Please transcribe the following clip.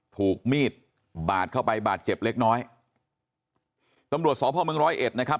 ถูกมีดบาดเข้าไปบาดเจ็บเล็กน้อยตำรวจสพเมืองร้อยเอ็ดนะครับ